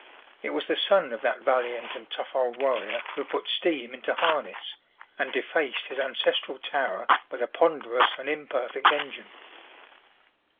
It was the son of that valiant and tough old warrior who put steam into harness, and defaced his ancestral tower with a ponderous and imperfect engine.